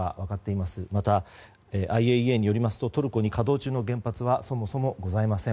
また、ＩＡＥＡによるとトルコに稼働中の原発はそもそもございません。